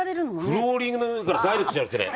フローリングの上からダイレクトじゃなくてね。